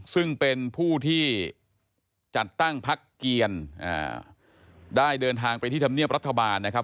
ซึ่งเป็นผู้ที่จัดตั้งพักเกียรได้เดินทางไปที่ธรรมเนียบรัฐบาลนะครับ